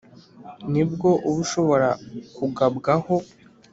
Ni bwo uba ushobora kugabwaho